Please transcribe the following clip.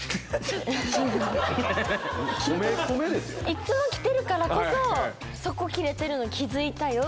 いつも来てるからこそそこ切れてるの気づいたよ